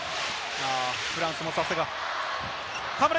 フランスもさすが。